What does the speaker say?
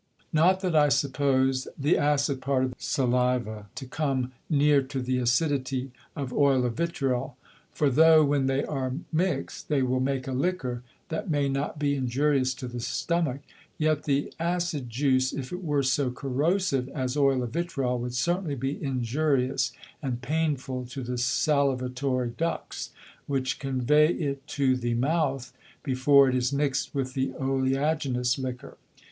Not that I suppose the acid part of the Saliva to come near to the Acidity of Oil of Vitriol. For though, when they are mix'd, they will make a Liquor that may not be injurious to the Stomach; yet the acid Juice, if it were so corrosive as Oil of Vitriol, would certainly be injurious and painful to the Salivatory Ducts, which convey it to the Mouth before it is mix'd with the oleaginous Liquor.